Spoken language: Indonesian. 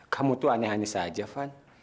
kamu tuh aneh aneh saja van